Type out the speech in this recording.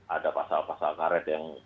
ada pasal pasal karet yang